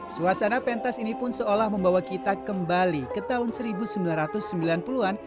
suasana pentas ini pun seolah membawa kita kembali ke tahun seribu sembilan ratus sembilan puluh an